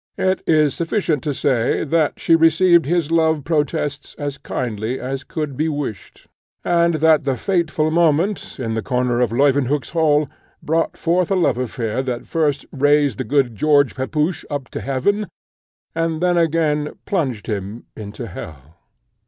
It is sufficient to say, that she received his love protests as kindly as could be wished; and that the fateful moment, in the corner of Leuwenhock's hall, brought forth a love affair that first raised the good George Pepusch up to heaven, and then again plunged him into hell.